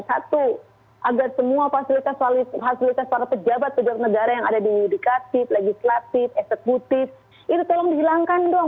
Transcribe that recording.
satu agar semua fasilitas fasilitas para pejabat pejabat negara yang ada di yudikatif legislatif eksekutif itu tolong dihilangkan dong